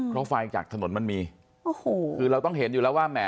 เพราะไฟจากถนนมันมีโอ้โหคือเราต้องเห็นอยู่แล้วว่าแหม